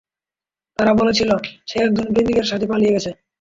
তারা বলেছিল, সে একজন প্রেমিকের সাথে পালিয়ে গেছে।